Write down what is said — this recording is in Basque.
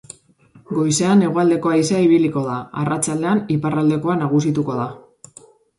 Goizean hegoaldeko haizea ibiliko da, arratsaldean iparraldekoa nagusituko da.